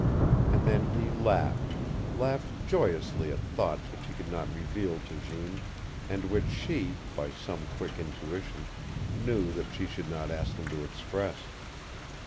And then he laughed laughed joyously at thoughts which he could not reveal to Jeanne, and which she, by some quick intuition, knew that she should not ask him to express.